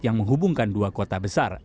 yang menghubungkan dua kota besar